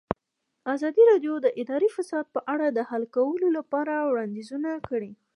ازادي راډیو د اداري فساد په اړه د حل کولو لپاره وړاندیزونه کړي.